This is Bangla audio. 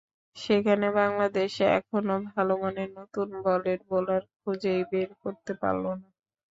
সেখানে বাংলাদেশ এখনো ভালো মানের নতুন বলের বোলার খুঁজেই বের করতে পারল না।